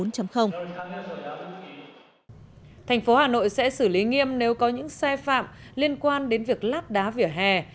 thành phố hà nội sẽ xử lý nghiêm nếu có những sai phạm liên quan đến việc lát đá vỉa hè